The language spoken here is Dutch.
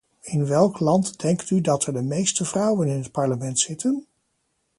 In welk land denkt u dat er de meeste vrouwen in het parlement zitten?